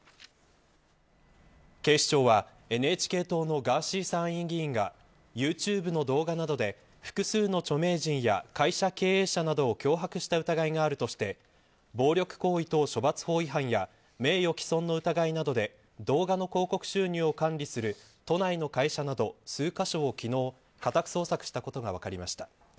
警視庁はＮＨＫ党のガーシー参院議員がユーチューブの動画などで複数の著名人や会社経営者などを脅迫した疑いがあるとして暴力行為等処罰法違反や名誉毀損の疑いなどで動画の広告収入を管理する都内の会社など数カ所を昨日家宅捜索したことが分かりました。